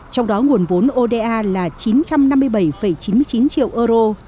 trong đó nguồn vốn oda là chín trăm năm mươi bảy chín mươi chín triệu euro